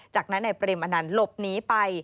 จากนั้นนายเปรมอนันต์หลบหนีไป